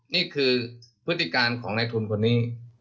นี่คือพฤติการของนายทุนคนนี้